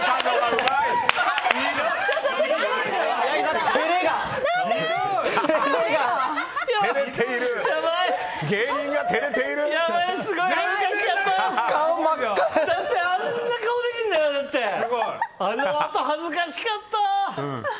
あのあと恥ずかしかった。